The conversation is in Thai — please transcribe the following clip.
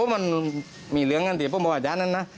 มันมีเหลืองกันที่ผมบอกอาจารย์นั้นนะ